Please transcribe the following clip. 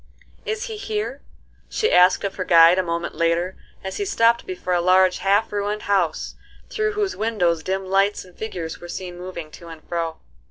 "Is he here?" she asked of her guide a moment later, as he stopped before a large, half ruined house, through whose windows dim lights and figures were seen moving to and fro.